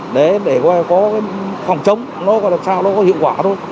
để có phòng chống nó có hiệu quả thôi